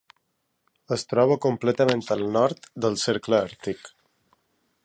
Es troba completament al nord del cercle Àrtic.